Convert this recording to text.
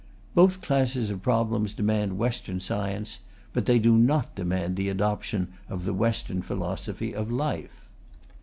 Both classes of problems demand Western science. But they do not demand the adoption of the Western philosophy of life.